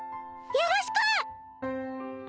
よろしく！